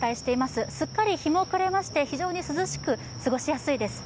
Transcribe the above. すっかり日も暮れまして、非常に涼しく、過ごしやすいです。